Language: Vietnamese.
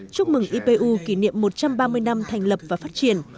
chúc mừng ipu kỷ niệm một trăm ba mươi năm thành lập và phát triển